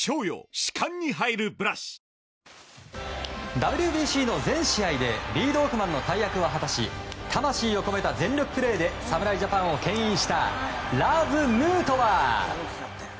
ＷＢＣの全試合でリードオフマンの大役を果たし魂を込めた全力プレーで侍ジャパンをけん引したラーズ・ヌートバー！